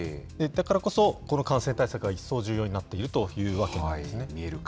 だからこそ、この感染対策が一層重要になっているというわけなんですね。